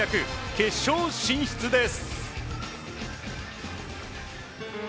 決勝進出です。